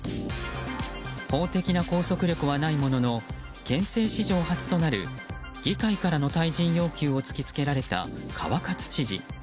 法的な拘束力はないものの憲政史上初となる議会からの退陣要求を突き付けられた川勝知事。